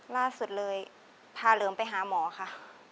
ล่าสุดเลยพาเหลิมไปหาหมอค่ะ